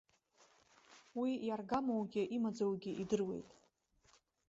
Уи, иаргамоугьы, имаӡоугьы идыруеит.